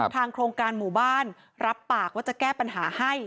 โครงการหมู่บ้านรับปากว่าจะแก้ปัญหาให้